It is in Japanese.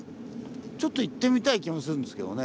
ちょっと行ってみたい気もするんですけどね。